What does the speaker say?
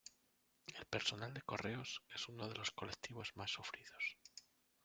El personal de correos es uno de los colectivos más sufridos.